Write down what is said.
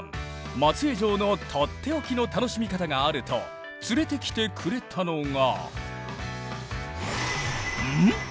松江城のとっておきの楽しみ方があると連れてきてくれたのが。